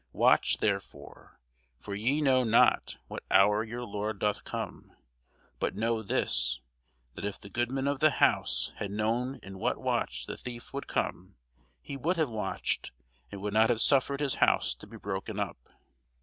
Watch therefore: for ye know not what hour your Lord doth come. But know this, that if the goodman of the house had known in what watch the thief would come, he would have watched, and would not have suffered his house to be broken up.